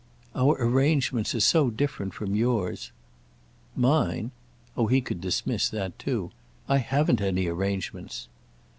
"Our arrangements are so different from yours." "Mine?" Oh he could dismiss that too! "I haven't any arrangements."